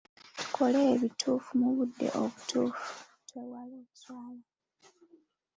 Tukole ebituufu mu budde obutuufu, twewale okuswala.